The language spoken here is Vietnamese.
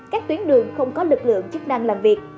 các tuyến đường không có lực lượng chức năng làm việc